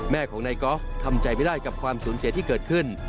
แม่ของนายกอล์ฟทำใจไม่ได้กับความสูญเสียที่เกิดขึ้น